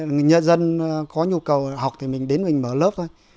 người nhà dân có nhu cầu học thì mình đến mình mở lớp thôi